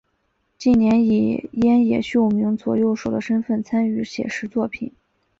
近年以庵野秀明左右手的身份参与写实作品。